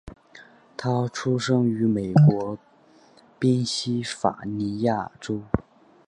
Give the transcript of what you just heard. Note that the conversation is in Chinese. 他出生于美国宾夕法尼亚州。